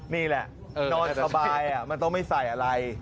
นี่แหละนอนสบายมันต้องไม่ใส่อะไร